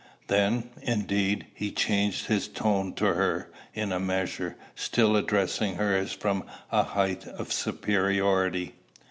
Then, indeed, he changed his tone to her, in a measure, still addressing her as from a height of superiority.